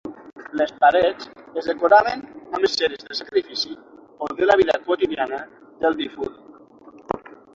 Les parets es decoraven amb escenes de sacrifici o de la vida quotidiana del difunt.